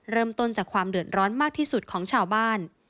เริ่มต้นจากความเดือดร้อนมากที่สุดของชาวบ้าน